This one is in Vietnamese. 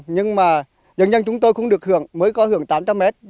nhưng mà dân dân chúng tôi cũng được hưởng mới có hưởng tám trăm linh mét